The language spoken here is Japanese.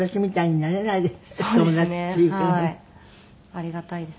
ありがたいです。